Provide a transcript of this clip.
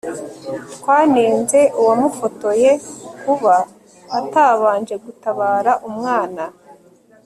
twanenze uwamufotoye kuba atabanje gutabara umwana